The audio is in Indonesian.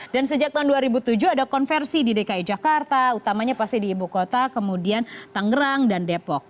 dan sejak tahun dua ribu tujuh ada konversi di dki jakarta utamanya pasti di ibu kota kemudian tangerang dan depok